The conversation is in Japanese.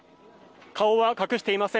顔は隠していません。